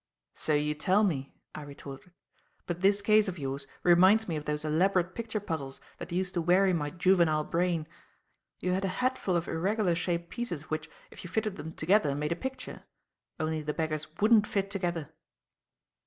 "So you tell me," I retorted; "but this case of yours reminds me of those elaborate picture puzzles that used to weary my juvenile brain. You had a hatful of irregular shaped pieces which, if you fitted them together, made a picture. Only the beggars wouldn't fit together."